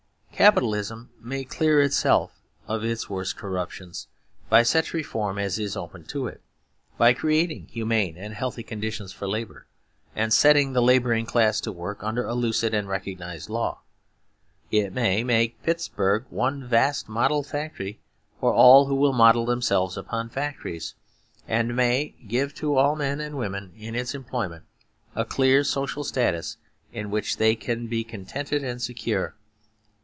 Capitalism may clear itself of its worst corruptions by such reform as is open to it; by creating humane and healthy conditions for labour, and setting the labouring classes to work under a lucid and recognised law. It may make Pittsburg one vast model factory for all who will model themselves upon factories; and may give to all men and women in its employment a clear social status in which they can be contented and secure.